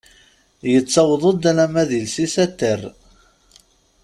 Yettaweḍ-d alamma d iles-is ad terr.